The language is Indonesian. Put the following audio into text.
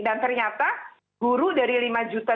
dan ternyata guru dari lima juta